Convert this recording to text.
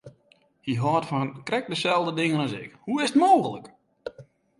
Hy hâldt fan krekt deselde dingen as ik, hoe is it mooglik!